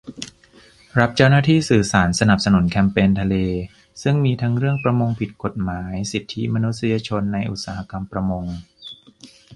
รับเจ้าหน้าที่สื่อสารสนับสนุนแคมเปญทะเล ซึ่งมีทั้งเรื่องประมงผิดกฎหมาย สิทธิมนุษยชนในอุตสาหกรรมประมง